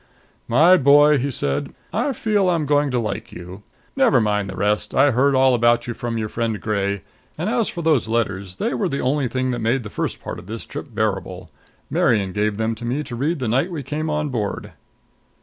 "My boy," he said, "I feel I'm going to like you. Never mind the rest. I heard all about you from your friend Gray; and as for those letters they were the only thing that made the first part of this trip bearable. Marian gave them to me to read the night we came on board."